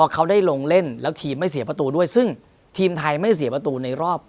เขาได้ลงเล่นแล้วทีมไม่เสียประตูด้วยซึ่งทีมไทยไม่เสียประตูในรอบ